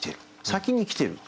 先に来てる。